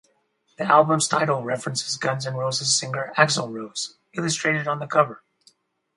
The album's title references Guns N' Roses singer Axl Rose, illustrated on the cover.